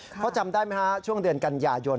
เขาจำได้ไหมครับช่วงเดือนกัญญาโยน